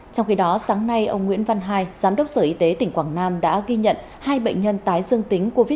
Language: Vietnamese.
trong khi đó sáng nay ông nguyễn văn hai giám đốc sở y tế tỉnh quảng nam đã ghi nhận hai bệnh nhân tái dương tính covid một mươi chín